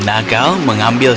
oh itu dia